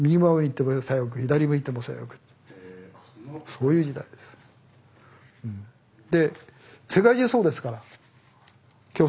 そういう時代です。